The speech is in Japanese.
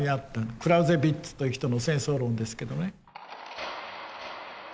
クラウゼヴィッツという人の戦争論ですけどね。